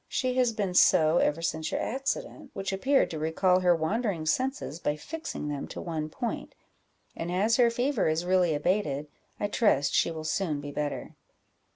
"She has been so ever since your accident, which appeared to recall her wandering senses by fixing them to one point; and as her fever is really abated, I trust she will soon be better."